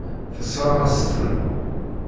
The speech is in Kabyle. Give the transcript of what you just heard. Tessṛeɣ-as-ten.